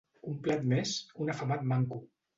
Un plat més, un afamat manco.